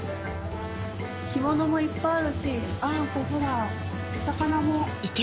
干物もいっぱいあるしほらお魚も。